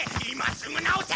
すぐ直せ！